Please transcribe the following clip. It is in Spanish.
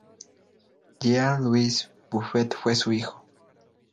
Jean-Louis Buffet fue su hijo.